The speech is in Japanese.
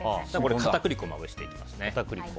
片栗粉をまぶしていきます。